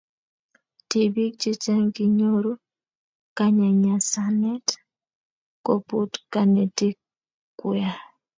tipik chechang kinyoru kanyanyasanet kopun kanetik kuay